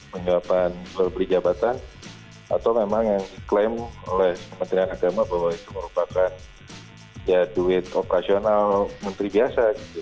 menjawabkan berberi jabatan atau memang yang diklaim oleh menteri agama bahwa itu merupakan ya duit operasional menteri biasa gitu